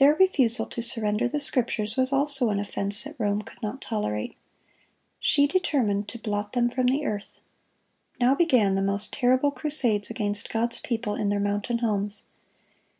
Their refusal to surrender the Scriptures was also an offense that Rome could not tolerate. She determined to blot them from the earth. Now began the most terrible crusades against God's people in their mountain homes.